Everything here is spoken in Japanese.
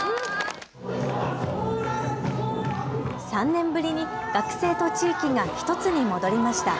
３年ぶりに学生と地域が１つに戻りました。